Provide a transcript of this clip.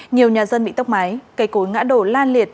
nhiều nhà dân bị tốc mái cây cối ngã đổ lan liệt